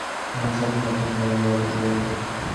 এইসব থাক, আমি বরং গল্পটি বলি।